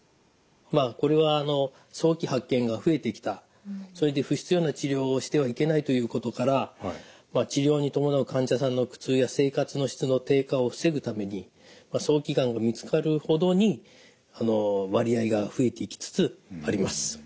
まあこれは早期発見が増えてきたそれで不必要な治療をしてはいけないということから治療に伴う患者さんの苦痛や生活の質の低下を防ぐために早期がんが見つかるほどに割合が増えてきつつあります。